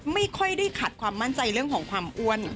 ไม่ค่อยได้ขัดความมั่นใจเรื่องของความอ้วน